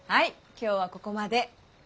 今日はここまで。